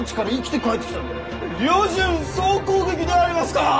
旅順総攻撃でありますか！？